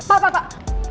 pak pak pak